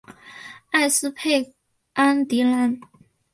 埃斯佩安迪兰。